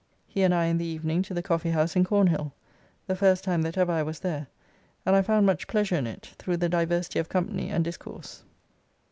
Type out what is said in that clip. He and I in the evening to the Coffee House in Cornhill, the first time that ever I was there, and I found much pleasure in it, through the diversity of company and discourse.